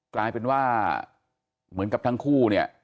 กลายเป็นว่าเหมือนกับทั้งคู่เนี่ย